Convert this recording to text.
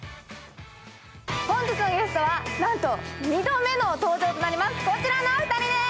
本日のゲストは、なんと２度目の登場となります。